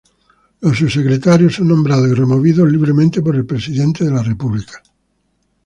Los subsecretarios son nombrados y removidos libremente por el presidente de la República.